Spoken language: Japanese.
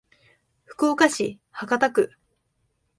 福岡市博多区